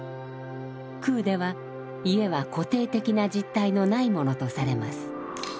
空では家は固定的な実体のないものとされます。